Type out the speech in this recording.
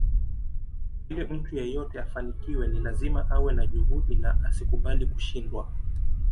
Ili mtu yeyote afanikiwe ni lazima awe na juhudi na asikubali kushindwa